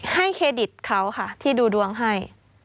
ให้เครดิตค่ะที่ดูดวงให้